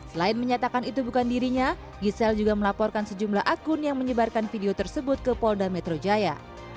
selain menyatakan itu bukan dirinya gisela juga melaporkan sejumlah akun yang menyebarkan video tersebut ke polda metro jaya